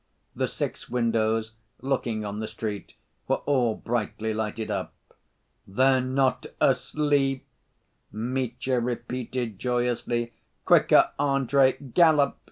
The six windows, looking on the street, were all brightly lighted up. "They're not asleep," Mitya repeated joyously. "Quicker, Andrey! Gallop!